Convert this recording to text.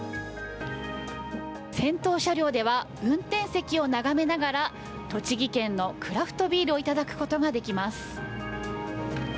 先頭車両では、運転席を眺めながら、栃木県のクラフトビールを頂くことができます。